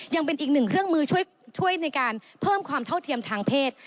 ยังเป็นอีกหนึ่งเครื่องมือช่วยในการเพิ่มความเท่าเทียมทางเพศ